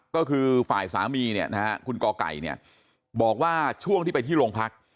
ก็คือฝ่ายสามีเนี่ยนะฮะคุณกไก่เนี่ยบอกว่าช่วงที่ไปที่โรงพัก